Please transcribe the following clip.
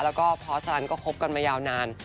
แล้วก็พอสลันก็คบกันมายาวนาน